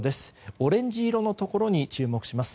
オレンジ色のところに注目します。